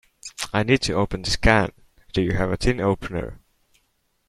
I need to open this can. Do you have a tin opener?